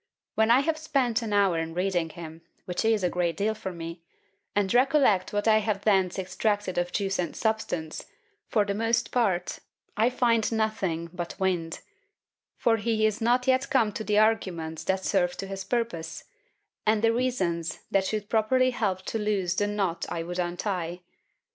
When I have spent an hour in reading him, which is a great deal for me, and recollect what I have thence extracted of juice and substance, for the most part I find nothing but wind: for he is not yet come to the arguments that serve to his purpose, and the reasons that should properly help to loose the knot I would untie.